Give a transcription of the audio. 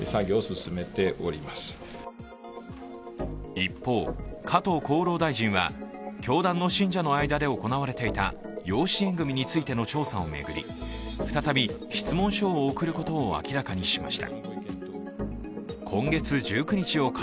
一方、加藤厚労大臣は教団の信者の間で行われていた養子縁組についての調査を巡り再び質問書を送ることを明らかにしました。